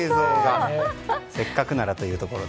せっかくならというところで。